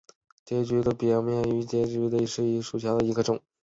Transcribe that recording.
柑桔皱叶刺节蜱为节蜱科皱叶刺节蜱属下的一个种。